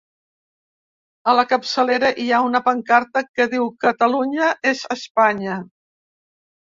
A la capçalera, hi ha una pancarta que diu Catalunya és Espanya.